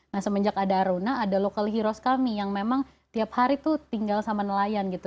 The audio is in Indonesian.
nah semenjak ada aruna ada local heroes kami yang memang tiap hari tuh tinggal sama nelayan gitu